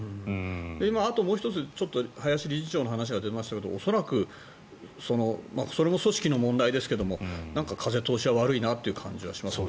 あと、もう１つ林理事長の話が出ましたが恐らくそれも組織の問題ですけど風通しは悪いなという感じはしますよね。